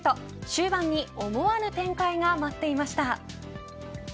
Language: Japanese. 終盤に思わぬ展開が待っていました。